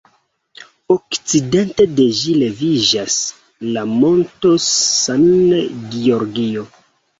Okcidente de ĝi leviĝas la Monto San Giorgio.